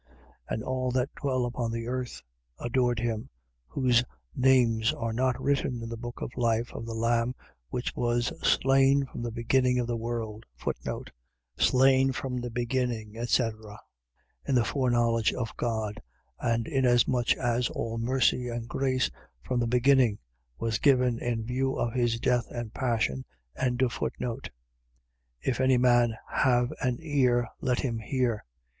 13:8. And all that dwell upon the earth adored him, whose names are not written in the book of life of the Lamb which was slain from the beginning of the world. Slain from the beginning, etc. . .In the foreknowledge of God; and inasmuch as all mercy and grace, from the beginning, was given in view of his death and passion. 13:9. If any man have an ear, let him hear.